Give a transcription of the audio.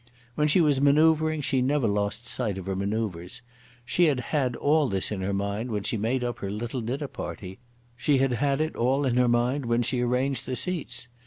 When she was manoeuvring she never lost sight of her manoeuvres. She had had all this in her mind when she made up her little dinner party. She had had it all in her mind when she arranged the seats.